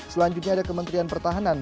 selanjutnya ada kementerian pertahanan